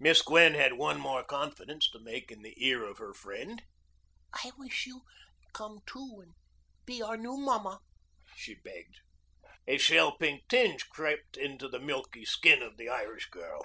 Miss Gwen had one more confidence to make in the ear of her friend. "I wish you'd come too and be our new mamma," she begged. A shell pink tinge crept into the milky skin of the Irish girl.